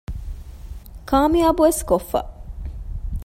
ކާމިޔާބުވެސް ކޮށްފަ